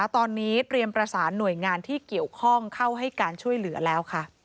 ตอนนี้เตรียมการประสานหน่วยงานที่เข้าให้การช่วยเหลือ